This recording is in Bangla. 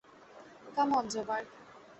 Come on, Joburg.